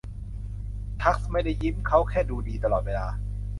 ทักซ์ไม่ได้ยิ้มเขาแค่ดูดีตลอดเวลา